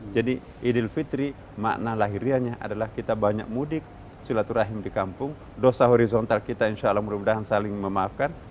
jadi idil fitri makna lahirnya adalah kita banyak mudik sulaturahim di kampung dosa horizontal kita insya allah mudah mudahan saling memaafkan